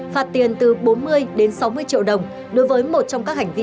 phạt tiền từ bốn mươi đến sáu mươi triệu đồng đối với một trong các hành vi